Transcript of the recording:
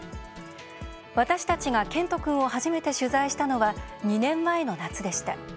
私たちが健人君を初めて取材したのは２年前の夏でした。